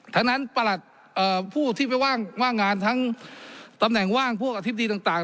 ฉะนั้นประหลัดผู้ที่ไปว่างงานทั้งตำแหน่งว่างพวกอธิบดีต่าง